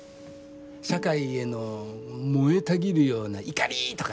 社会への燃えたぎるような怒りとか？